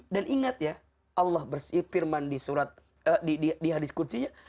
dan ingat ya allah bersih firman di surat di hadis kuncinya